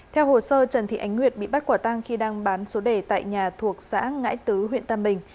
theo hồ sơ trần thị ánh nguyệt bị bắt quả tang khi đang bán số đề tại nhà thuộc xã ngãi tứ huyện tam bình